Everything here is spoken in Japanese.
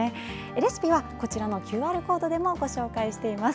レシピはこちらのＱＲコードでもご紹介しています。